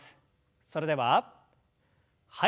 それでははい。